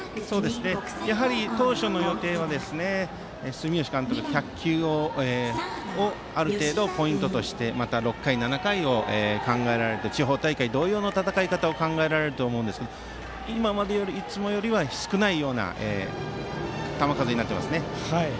やはり当初の予定は住吉監督は１００球をある程度、ポイントとしてまた６回、７回と地方大会と同様の戦い方が考えられると思いますがいつもよりは少ないような球数になっていますね。